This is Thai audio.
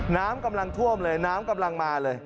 น้ำกำลังท่วมเลยน้ำกำลังมาเลย